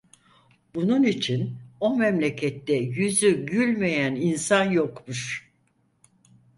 Bunun için o memlekette yüzü gülmeyen insan yokmuş.